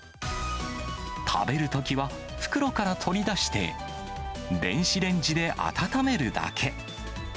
食べるときは、袋から取り出して、電子レンジで温めるだけ。